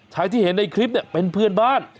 ที่เห็นในคลิปเนี่ยเป็นเพื่อนบ้าน